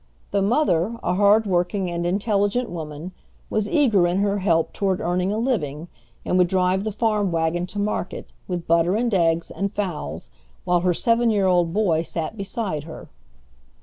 The mother, a hard working and intelligent woman, was eager in her help toward earning a living, and would drive the farm wagon to market, with butter and eggs, and fowls, while her seven year old boy sat beside her.